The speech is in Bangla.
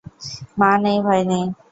মা নেই, ভাই নেই।